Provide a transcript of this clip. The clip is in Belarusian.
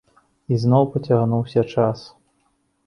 І зноў пацягнуўся час.